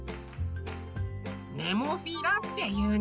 「ネモフィラ」っていうの。